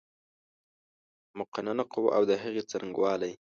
مقننه قوه اود هغې څرنګوالی